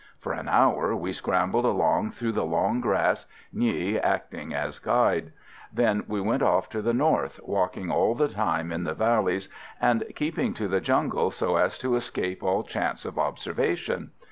For an hour we scrambled along through the long grass, Nghi acting as guide. Then we went off to the north, walking all the time in the valleys, and keeping to the jungle so as to escape all chance of observation.